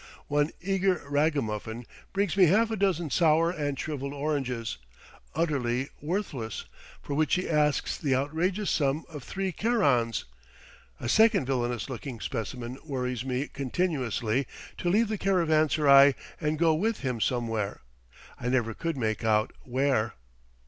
One eager ragamuffin brings me half a dozen sour and shrivelled oranges, utterly worthless, for which he asks the outrageous sum of three kerans; a second villainous looking specimen worries me continuously to leave the caravanserai and go with him somewhere. I never could make out where.